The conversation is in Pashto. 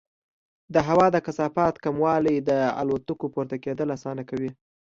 د هوا د کثافت کموالی د الوتکو پورته کېدل اسانه کوي.